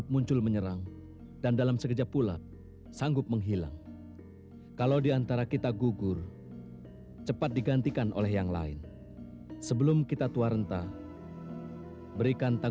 mudah mudahan kita dapat bertahan sampai mati